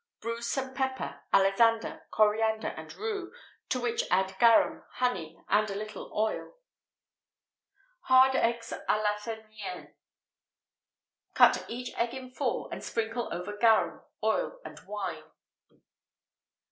Bruise some pepper, alisander, coriander, and rue, to which add garum, honey, and a little oil.[XVIII 82] Hard Eggs à l'Athénienne. Cut each egg in four, and sprinkle over garum, oil, and wine.